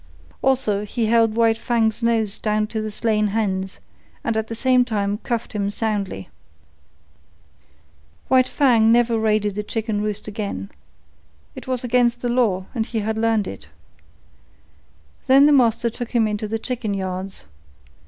Also, he held White Fang's nose down to the slain hens, and at the same time cuffed him soundly. White Fang never raided a chicken roost again. It was against the law, and he had learned it. Then the master took him into the chicken yards.